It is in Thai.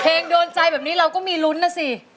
โดนใจแบบนี้เราก็มีลุ้นนะสิ